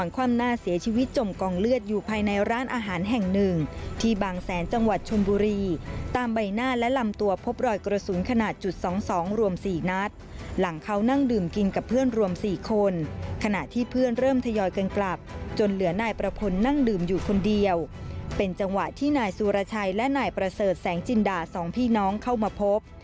คือที่นายสุราชัยและนายประเสริฐแสงจินด่า๒พี่น้องเข้ามาพบ